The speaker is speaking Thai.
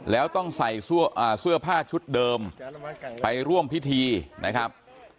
แล้วต้องใส่เสื้อผ้าชุดเดิมไปร่วมพิธีนะครับ